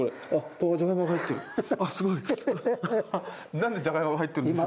なんでじゃがいも入ってるんですか？